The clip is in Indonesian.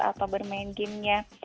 atau bermain gamenya